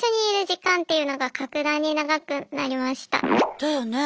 だよねえ。